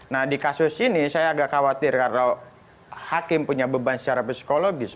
nah di kasus ini saya agak khawatir karena hakim punya beban secara psikologis